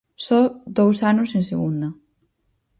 Só dous anos en segunda.